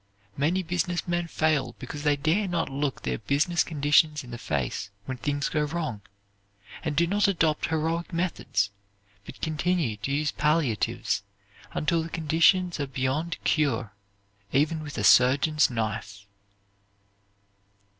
Many business men fail because they dare not look their business conditions in the face when things go wrong, and do not adopt heroic methods, but continue to use palliatives, until the conditions are beyond cure, even with a surgeon's knife.